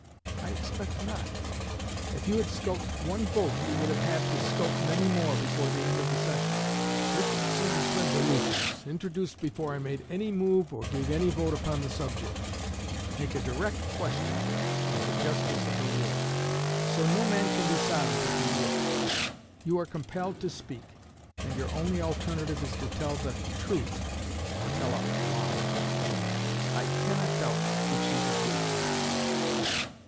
I expect not. If you had skulked one vote you would have had to skulk many more before the end of the session. Richardson's resolutions, introduced before I made any move or gave any vote upon the subject, make a direct question of the justice of the war; so no man can be silent if he would. You are compelled to speak; and your only alternative is to tell the truth or tell a lie. I cannot doubt which you would do."